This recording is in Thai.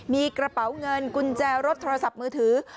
มีกระเป๋าเงินกุญแจรถโทรศัพท์มือถือ